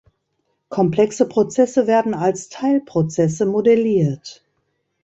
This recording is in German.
Komplexe Prozesse werden als Teilprozesse modelliert.